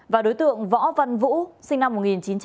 và đối tượng võ văn vũ sinh năm một nghìn chín trăm tám mươi